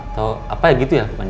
atau apa gitu ya